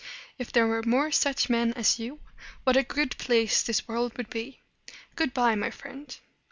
If there were more such men as you, what a good place this world would be! Good by, my friend!"